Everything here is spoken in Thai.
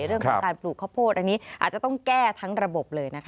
เรื่องของการปลูกข้าวโพดอันนี้อาจจะต้องแก้ทั้งระบบเลยนะคะ